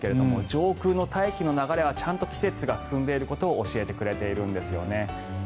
上空の大気の流れはちゃんと季節が進んでいることを教えてくれてるんですね。